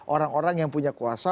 orang orang yang punya kuasa